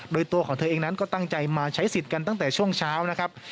โดยตัวของเธอเองนั้นก็ตั้งใจมาใช้สิทธิ์กันตั้งแต่ช่วงเช้านะครับ